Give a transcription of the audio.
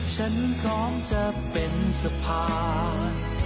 ฉันพร้อมจะเป็นสะพาน